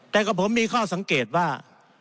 แต่กับผมมีข้อสังเกตว่า